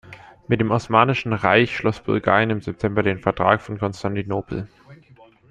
Mit dem Osmanischen Reich schloss Bulgarien im September den Vertrag von Konstantinopel.